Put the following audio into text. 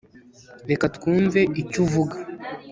reka twumve icyo uvuga